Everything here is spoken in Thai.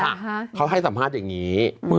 แล้วเค้าให้สัมภาษณ์อย่างนี้